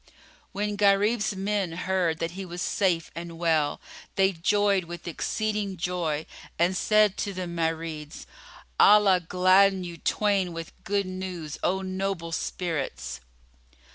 When Gharib's men heard that he was safe and well, they joyed with exceeding joy and said to the Marids, "Allah gladden you twain with good news, O noble spirits!"